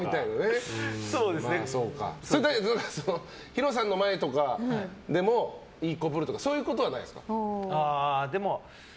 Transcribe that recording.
ＨＩＲＯさんの前とかでもいい子ぶるとかそういうことはないですか。